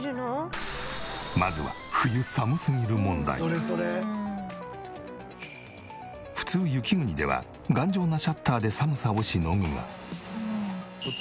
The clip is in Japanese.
まずは普通雪国では頑丈なシャッターで寒さをしのぐが。